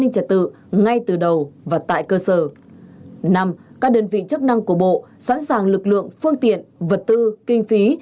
năm các đơn vị chức năng của bộ sẵn sàng lực lượng phương tiện vật tư kinh phí